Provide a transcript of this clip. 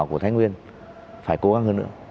của thái nguyên phải cố gắng hơn nữa